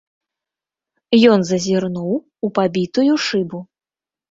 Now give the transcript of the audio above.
Ён зазірнуў у пабітую шыбу.